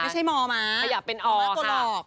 ไม่ใช่หมอม้าเพราะว่ากลอก